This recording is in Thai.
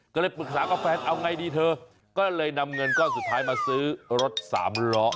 ก็เลยปรึกษากับแฟนเอาไงดีเธอก็เลยนำเงินก้อนสุดท้ายมาซื้อรถสามล้อ